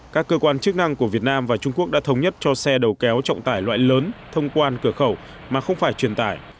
các cơ quan chức năng của việt nam và trung quốc đã thống nhất cho xe đầu kéo trọng tải loại lớn thông quan cửa khẩu mà không phải truyền tải